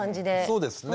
そうですね。